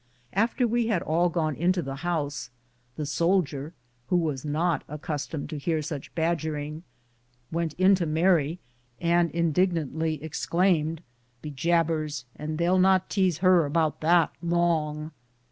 After we had all gone into the house, the soldier, who was not accustomed to hear such badger ing, went in to Mary, and indignantly exclaimed, " Be jabers, and they'll not tease her about that long